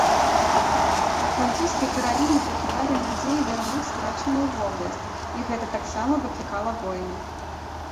Французскія каралі не пакідалі надзеі вярнуць страчаную вобласць, і гэта таксама выклікала войны.